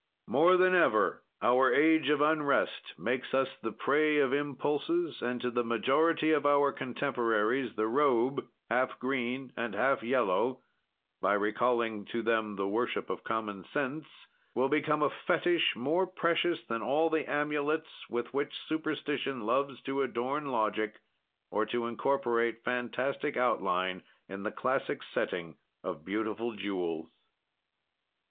More than ever our age of unrest makes us the prey of impulses, and to the majority of our contemporaries, the robe, half green and half yellow (by recalling to them the worship of common sense), will become a fetish, more precious than all the amulets with which superstition loves to adorn logic, or to incorporate fantastic outline in the classic setting of beautiful jewels.